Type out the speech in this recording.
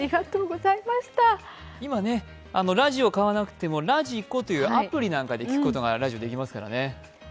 今、ラジオ買わなくてもｒａｄｉｋｏというアプリなんかで聞くことができますからね。